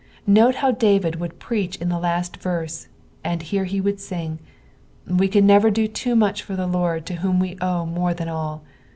Note how David would preach in the laat verse, and now here he would sing. We can never do too much for the Lord to whom we owe more than all.